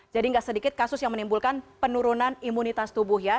jadi enggak sedikit kasus yang menimbulkan penurunan imunitas tubuh ya